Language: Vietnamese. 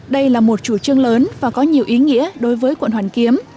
đây là một chủ trương lớn và có nhiều ý nghĩa đối với quận hoàn kiếm